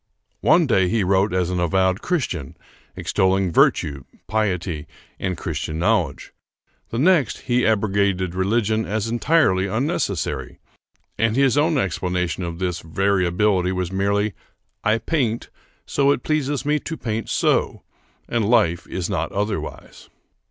One day he wrote as an avowed Christian, extolling virtue, piety, and Christian knowledge; the next, he abrogated religion as entirely unnecessary: and his own explanation of this variability was merely "I paint so because it pleases me to paint so, and life is not otherwise."